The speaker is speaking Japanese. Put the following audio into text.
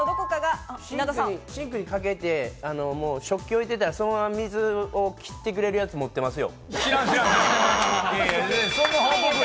シンクにかけて食器置いてたら、そのまま水を切ってくれるやつ持ってますよ。